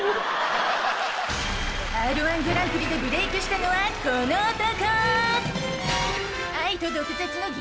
『Ｒ−１グランプリ』でブレイクしたのはこの男！